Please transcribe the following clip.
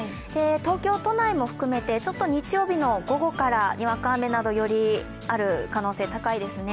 東京都内も含めて、日曜日の午後から、にわか雨などよりある可能性が高いですね。